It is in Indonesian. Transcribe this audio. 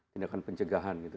tindakan pencegahan gitu